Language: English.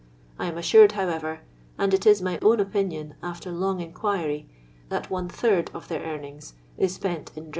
I am assured, however, and it is my own opinion, after long in quiry, that one third of their earnings is spent in drink.